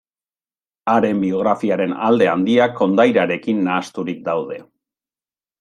Haren biografiaren alde handiak kondairarekin nahasturik daude.